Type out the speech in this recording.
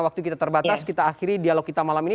waktu kita terbatas kita akhiri dialog kita malam ini